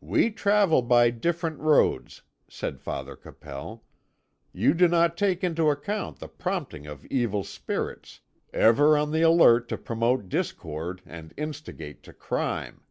"We travel by different roads," said Father Capel. "You do not take into account the prompting of evil spirits, ever on the alert to promote discord and instigate to crime.